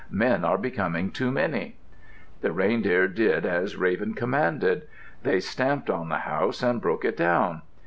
Men are becoming too many." The reindeer did as Raven commanded. They stamped on the house and broke it down.